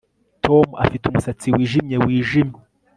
Tom afite umusatsi wijimye wijimye